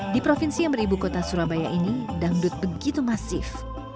di provinsi yang beribu kota surabaya ini dangdut begitu masif